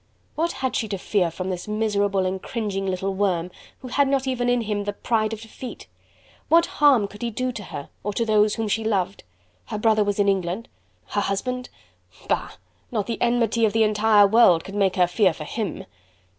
What had she to fear from this miserable and cringing little worm who had not even in him the pride of defeat? What harm could he do to her, or to those whom she loved? Her brother was in England! Her husband! Bah! not the enmity of the entire world could make her fear for him!